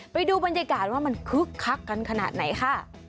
ไปดูบรรยากาศว่ามันคึกคักกันขนาดไหนค่ะ